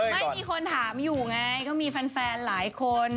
มีคนถามอยู่ไงก็มีทางไฟนหลายคน